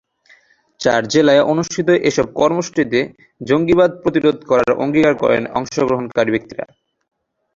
চার জেলায় অনুষ্ঠিত এসব কর্মসূচিতে জঙ্গিবাদ প্রতিরোধ করার অঙ্গীকার করেন অংশগ্রহণকারী ব্যক্তিরা।